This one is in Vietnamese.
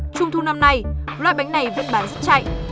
trong thùng năm này loại bánh này vẫn bán rất chạy